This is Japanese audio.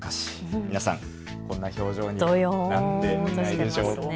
皆さん、こんな表情になっていないでしょうか？